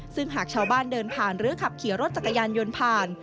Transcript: ซึ่งหากชาวบ้านเดินผ่านหรือขับขี่รถจักรยานยนต์ผ่าน